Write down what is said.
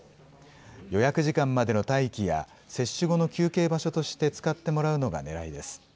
予約時間までの待機や接種後の休憩場所として使ってもらうのがねらいです。